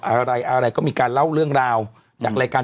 ขอบคุณนะครับขอบคุณนะครับขอบคุณนะครับ